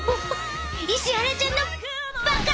石原ちゃんのばか！